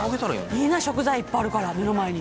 いいな食材いっぱいあるから目の前に。